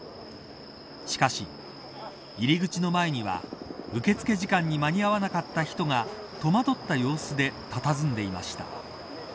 しかし、入り口の前には受け付け時間に間に合わなかった人が戸惑った様子でたたずんでいました。